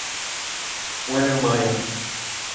Werner Meier